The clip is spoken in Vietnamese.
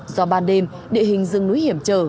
do ban đêm địa hình rừng núi hiểm trở